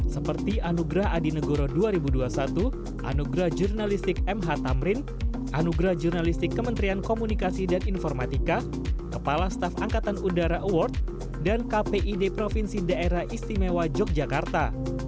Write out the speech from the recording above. seperti anugrah adi negoro dua ribu dua puluh satu anugerah jurnalistik mh tamrin anugerah jurnalistik kementerian komunikasi dan informatika kepala staf angkatan udara award dan kpid provinsi daerah istimewa yogyakarta